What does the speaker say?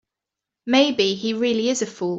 Maybe he really is a fool.